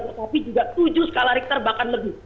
tetapi juga tujuh skala richter bahkan lebih